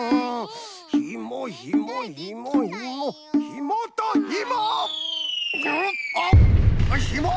ひもとひも！